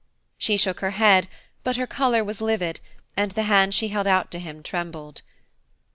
She shook her head, but her colour was livid, and the hand she held out to him trembled.